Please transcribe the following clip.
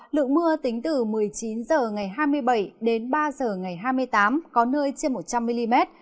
lượng mưa tính từ một mươi chín h ngày hai mươi bảy đến ba h ngày hai mươi tám có nơi trên một trăm linh mm